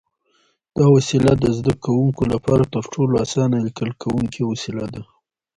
دا وسیله د زده کوونکو لپاره تر ټولو اسانه لیکل کوونکی وسیله ده.